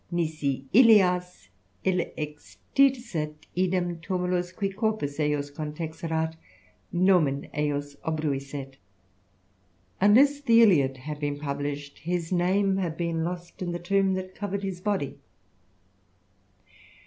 Nisi Ilias ilia extitisset, idem tumulus qui carpus efus ctnUextft^t ftomen ejus obruissel,*' '* Unless the Iliad had been published, his name had been lost io the tomb that covered his body."